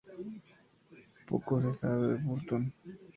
Poco se sabe de Burton.